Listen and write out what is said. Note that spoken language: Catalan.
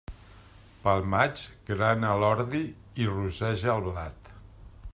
Pel maig, grana l'ordi i rosseja el blat.